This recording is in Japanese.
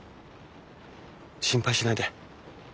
心配しないで。